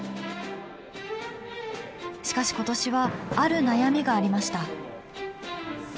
しかし今年はある悩みがありました。